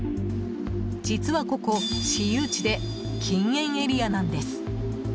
実はここ、私有地で禁煙エリアなんです。